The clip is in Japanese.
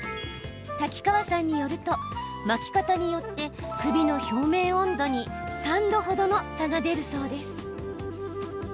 滝川さんによると巻き方によって首の表面温度に３度ほどの差が出るそうです。